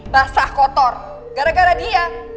basah kotor gara gara dia